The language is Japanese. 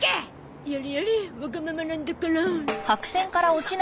やれやれわがままなんだから。